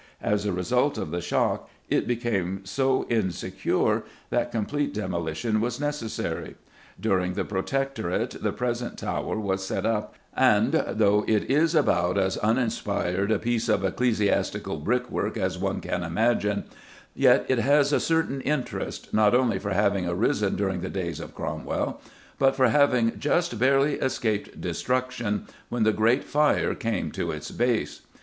As a result of the shock it became so insecure that complete demolition was necessary. During the Protectorate the present tower was set up, and, though it is about as uninspired a piece of ecclesiastical brickwork as one can imagine, yet it has a certain interest not only for having arisen during the days of Cromwell, but for having just barely escaped destruction when the Great Fire came to its base.